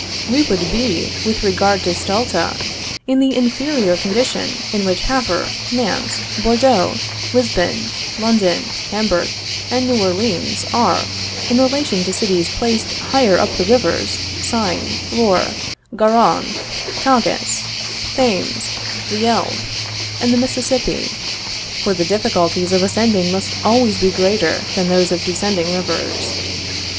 We would be, with regard to Stulta, in the inferior condition in which Havre, Nantes, Bordeaux, Lisbon, London, Hamburg, and New Orleans, are, in relation to cities placed higher up the rivers Seine, Loire, Garonne, Tagus, Thames, the Elbe, and the Mississippi; for the difficulties of ascending must always be greater than those of descending rivers.